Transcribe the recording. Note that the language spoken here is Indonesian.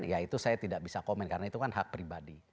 ya itu saya tidak bisa komen karena itu kan hak pribadi